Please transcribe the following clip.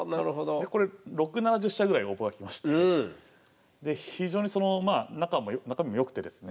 でこれ６０７０社ぐらい応募が来まして非常にまあ中身も良くてですね